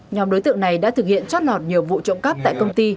nhóm đối tượng này đã thực hiện trót lọt nhiều vụ trộm cắp tại công ty